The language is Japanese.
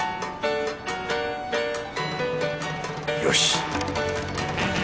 よし！